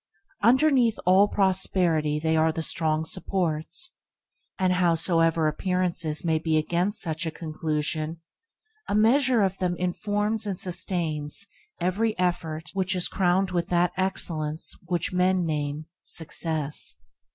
Underneath all prosperity they are the strong supports, and, howsoever appearances may be against such a conclusion, a measure of them informs and sustains every effort which is crowned with that excellence which men name success.